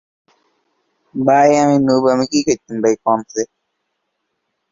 এটি ইম্ফল-সুগুনু রাজ্য মহাসড়কে অবস্থিত।